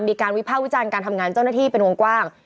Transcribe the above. วิภาควิจารณ์การทำงานเจ้าหน้าที่เป็นวงกว้าง